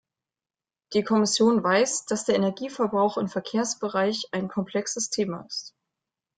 Die Kommission weiß, dass der Energieverbrauch im Verkehrsbereich ein komplexes Thema ist.